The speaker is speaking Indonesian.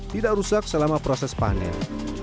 tidak rusak selama proses panen